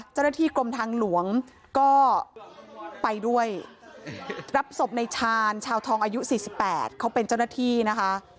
เจ้าหน้าที่กรมทางหลวงก็ไปด้วยรับศพในชาญชาวทองอายุ๔๘เขาเป็นเจ้าหน้าที่นะคะ